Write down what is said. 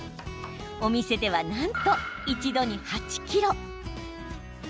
お店では、なんと一度に８ｋｇ。